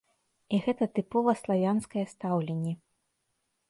І гэта тыпова славянскае стаўленне.